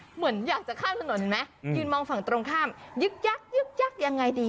เหมือนอยากจะข้ามถนนเห็นไหมยืนมองฝั่งตรงข้ามยึกยักยึกยักยังไงดี